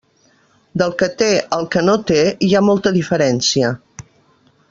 Del que té al que no té hi ha molta diferència.